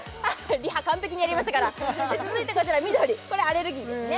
リハ完璧にやりましたから続いてこちら緑これアレルギーですね